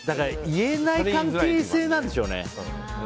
言えない関係性なんでしょうね。